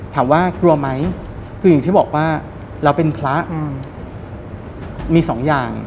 ถามว่ากลัวไหมคืออย่างที่บอกว่าเราเป็นพระมีสองอย่าง